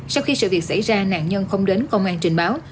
sau khi sự việc xảy ra nạn nhân không đến công an trình báo